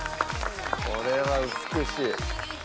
これは美しい。